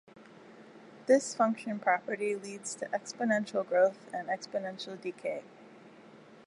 This function property leads to exponential growth and exponential decay.